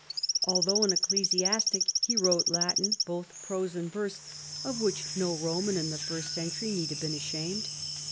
Although an ecclesiastic he wrote Latin, both prose and vferse, of which no Roman in the first century need have been ashamed.